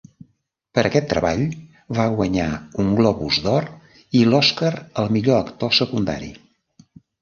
Per aquest treball va guanyar un Globus d'Or i l'Oscar al millor actor secundari.